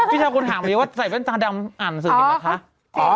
พี่เช้าคุณถามเลยว่าใส่แว่นตาดำอ่านสึกอยู่ไหมคะ